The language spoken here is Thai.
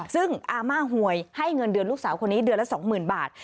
ซึ่งอาม่าหวยให้เงินเดือนลูกสาวคนนี้เดือนละ๒๐๐๐บาท